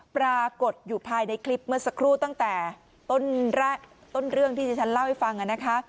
ปรากฏอยู่ภายในคลิปเมื่อสักครู่ตั้งแต่ต้นเรื่องที่ที่ฉันเล่าให้ฟังนะคะ